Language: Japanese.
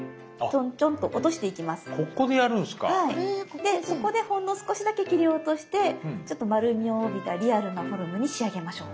でそこでほんの少しだけ切り落としてちょっと丸みを帯びたリアルなフォルムに仕上げましょう。